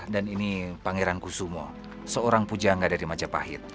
dan ini pangeran kusumo seorang pujangga dari majapahit